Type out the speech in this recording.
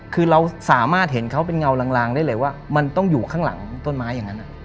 คือเราสามารถเห็นเขาเป็นเงาลางได้เลยว่ามันต้องอยู่ข้างหลังต้นไม้อย่างนั้น